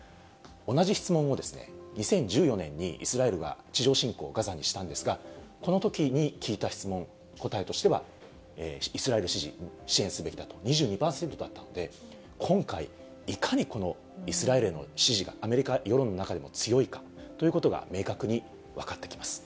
同じ質問を２０１４年にイスラエルが地上侵攻、ガザにしたんですが、このときに聞いた質問の答えとしては、イスラエル支持、支援すべきだと、２２％だったので、今回、いかにこのイスラエルへの支持がアメリカ世論の中でも強いかということが明確に分かってきます。